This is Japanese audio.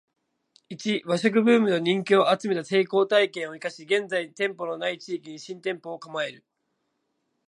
ⅰ 和食ブームと人気を集めた成功体験を活かし現在店舗の無い地域に新店舗を構える